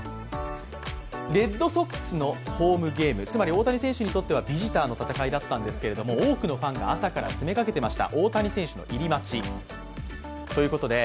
レッドソックスのホームゲーム、つまり大谷選手についてはビジターのゲームだったんですが多くのファンが朝から詰めかけていました。